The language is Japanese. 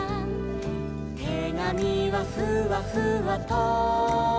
「てがみはふわふわと」